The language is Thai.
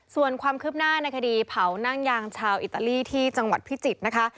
ส่วนความคืบหน้าในคดีเผานั่งยางชาวอิตาลีที่จังหวัดพิจิตรนะคะ